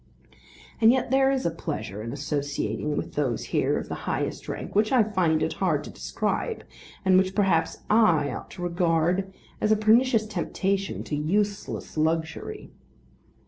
And yet there is a pleasure in associating with those here of the highest rank which I find it hard to describe, and which perhaps I ought to regard as a pernicious temptation to useless luxury.